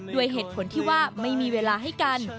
ด้วยเหตุผลที่ว่าไม่มีเวลาให้กัน